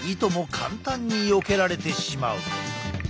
簡単によけられてしまう。